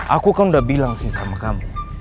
aku kan udah bilang sih sama kamu